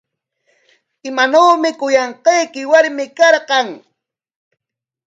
¿Imanawmi kuyanqayki warmi karqan?